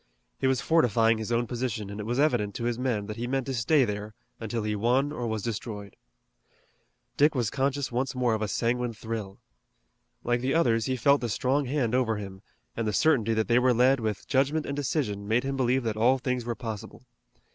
He was fortifying his own position, and it was evident to his men that he meant to stay there until he won or was destroyed. Dick was conscious once more of a sanguine thrill. Like the others, he felt the strong hand over him, and the certainty that they were led with judgment and decision made him believe that all things were possible.